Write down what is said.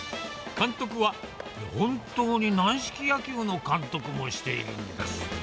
監督は、本当に軟式野球の監督もしているんです。